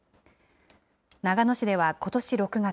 長野市ではことし６月。